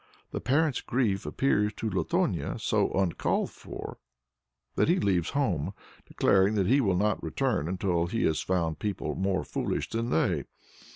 The parent's grief appears to Lutonya so uncalled for that he leaves home, declaring that he will not return until he has found people more foolish than they.